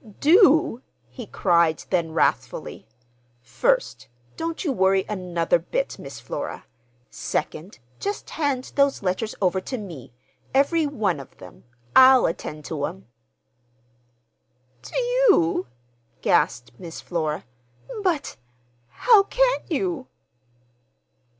"Do?" he cried then wrathfully. "First, don't you worry another bit, Miss Flora. Second, just hand those letters over to me—every one of them. I'll attend to 'em!" "To you?" gasped Miss Flora. "But—how can you?"